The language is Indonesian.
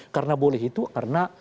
karena boleh itu karena